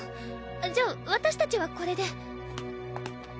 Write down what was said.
じゃあ私たちはこれで。